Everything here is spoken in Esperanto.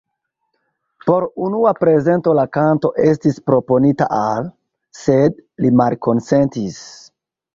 Por unua prezento la kanto estis proponita al sed li malkonsentis.